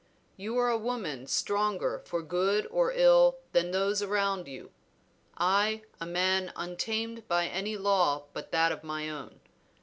You a woman stronger for good or ill than those about you, I a man untamed by any law but that of my own will.